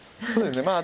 そうですね